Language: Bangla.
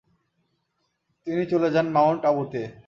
তিনি চলে যান মাউন্ট আবুতে।